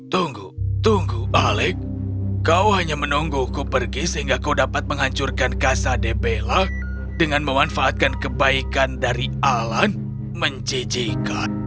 tunggu tunggu alec kau hanya menungguku pergi sehingga kau dapat menghancurkan casa de bella dengan memanfaatkan kebaikan dari alan menjijikan